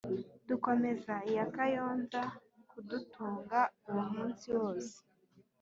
dukomeza iya kayonza kudutunga uwo munsi wose